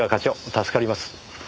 助かります。